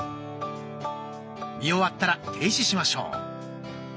見終わったら停止しましょう。